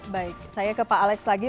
baik saya ke pak alex lagi